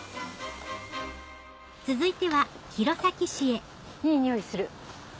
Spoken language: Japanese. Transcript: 続いては弘前市へいい匂いする。